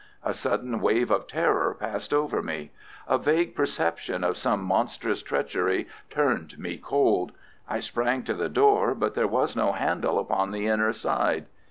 A sudden wave of terror passed over me. A vague perception of some monstrous treachery turned me cold. I sprang to the door, but there was no handle upon the inner side.